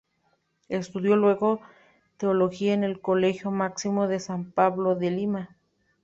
Estudió luego Teología en el Colegio Máximo de San Pablo de Lima.